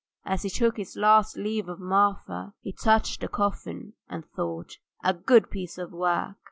As he took his last leave of Marfa he touched the coffin and thought: "A good piece of work!"